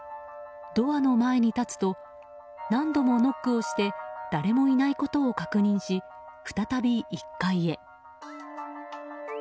ドアの前に立つと何度もノックをして誰もいないことを確認し再び１階へ。